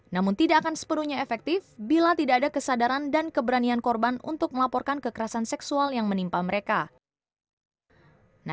namun tidak akan sepenuhnya efektif bila tidak ada kesadaran dan keberanian korban untuk melaporkan kekerasan seksual yang menimpa mereka